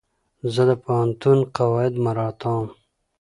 زه د پوهنتون قواعد مراعتوم.